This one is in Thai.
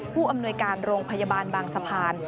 ผู้อำนวยการโรงพยาบาลบางสะพาน